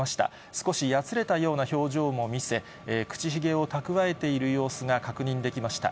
少しやつれたような表情も見せ、口ひげを蓄えている様子が確認できました。